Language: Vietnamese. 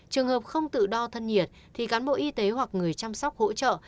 trường hợp không tự đo thân nhiệt thì cán bộ y tế hoặc người chăm sóc hỗ trợ